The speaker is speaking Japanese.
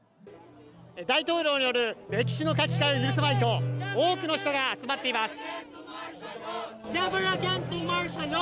大統領による歴史の書き換えを許すまいと多くの人が集まっています。